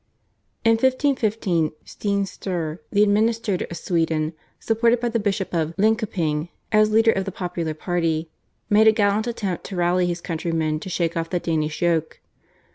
In 1515 Sten Sture, the administrator of Sweden, supported by the Bishop of Linkoping as leader of the popular party, made a gallant attempt to rally his countrymen to shake off the Danish yoke.